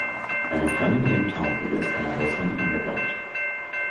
Eine kleine Gedenktafel ist an der Hauswand angebracht.